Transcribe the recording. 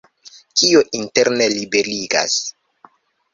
Kio interne liberigas?